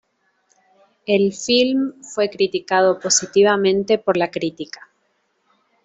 El filme fue criticado positivamente por la crítica.